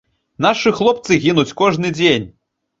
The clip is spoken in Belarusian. Нашы хлопцы гінуць кожны дзень.